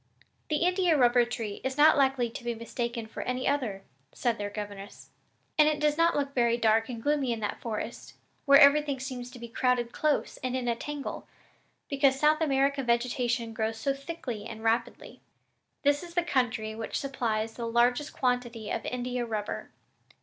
"The India rubber tree is not likely to be mistaken for any other," said their governess, "and it does not look very dark and gloomy in that forest, where everything seems to be crowded close and in a tangle, because South American vegetation grows so thickly and rapidly. This is the country which supplies the largest quantity of India rubber.